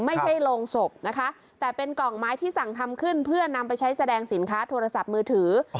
ไม่ใช่โรงศพนะคะแต่เป็นกล่องไม้ที่สั่งทำขึ้นเพื่อนำไปใช้แสดงสินค้าโทรศัพท์มือถือ